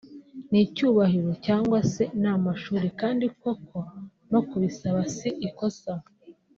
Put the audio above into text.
n'icyubahiro cyangwa se n'amashuri kandi koko no kubisaba si ikosa